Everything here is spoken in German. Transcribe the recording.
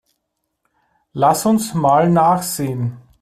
Lass uns mal nachsehen.